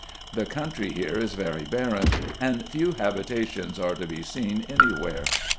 The country here is very barren, and few habitations are to be seen any where.